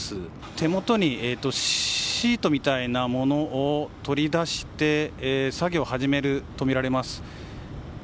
手元にシートみたいなものを取り出して作業を始めるとみられます。